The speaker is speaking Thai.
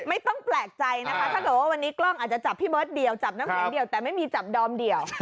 ไม่ต้องแปลกใจนะคะถ้าเกิดว่าวันนี้กล้องอาจจะจับพี่เบิร์ตเดี่ยวจับน้ำแข็งเดียวแต่ไม่มีจับดอมเดี่ยว